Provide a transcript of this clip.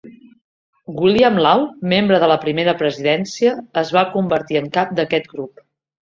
William Law, membre de la Primera Presidència, es va convertir en cap d'aquest grup.